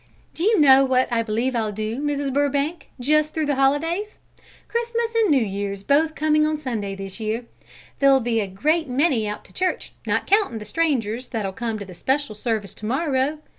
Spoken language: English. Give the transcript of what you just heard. Do you know what I believe I'll do, Mrs. Burbank, just through the holidays? Christmas and New Year's both coming on Sunday this year, there'll be a great many out to church, not counting the strangers that'll come to the special service to morrow.